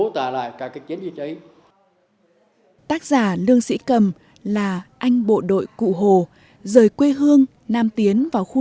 tác giả lương sĩ cầm là anh bộ đội cụ hồ rời quê hương nam tiến vào khu năm